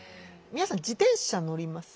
皆さん自転車乗ります？